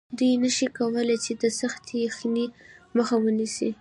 دوی نشي کولی چې د سختې یخنۍ مخه ونیسي